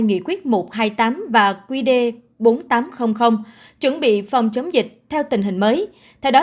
nghị quyết một trăm hai mươi tám và qd bốn nghìn tám trăm linh chuẩn bị phòng chống dịch theo tình hình mới theo đó